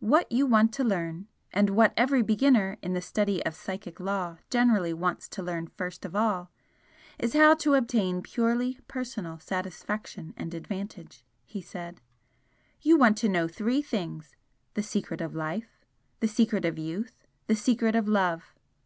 "What you want to learn, and what every beginner in the study of psychic law generally wants to learn first of all, is how to obtain purely personal satisfaction and advantage," he said "You want to know three things the secret of life the secret of youth the secret of love!